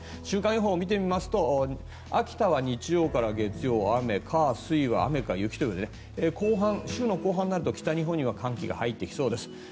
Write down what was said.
週間予報を見てみますと秋田は日曜から月曜、雨火、水は雨か雪ということで週後半になると北日本には寒気が入ってきそうです。